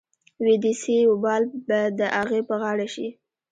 وې دې سي وبال به د اغې په غاړه شي.